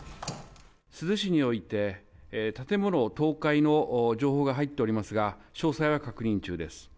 珠洲市において、建物倒壊の情報が入っておりますが、詳細は確認中です。